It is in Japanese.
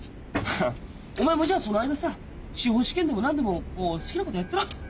お前もじゃあその間さ司法試験でも何でも好きなことやってろ。